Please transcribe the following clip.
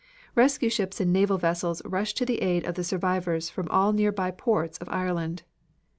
Rescue ships and naval vessels rushed to the aid of the survivors from all nearby ports of Ireland.